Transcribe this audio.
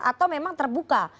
atau memang terbuka